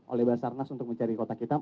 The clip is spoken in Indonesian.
oleh basarnas untuk mencari kotak kita